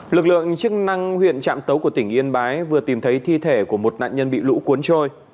lực lượng chức năng huyện trạm tấu của tỉnh yên bái vừa tìm thấy thi thể của một nạn nhân bị lũ cuốn trôi